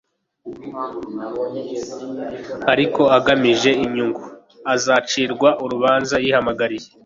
ariko agamije inyungu, azacirwa urubanza yihamagariye